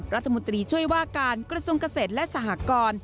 รัฐมนตรีช่วยว่าการกระทรวงเกษตรและสหกร